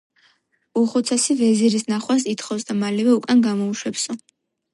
უხუცესი ვეზირის ნახვას ითხოვს და მალევე უკან გამოუშვებსო.